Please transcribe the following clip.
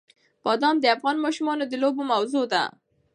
بادام د افغان ماشومانو د لوبو موضوع ده.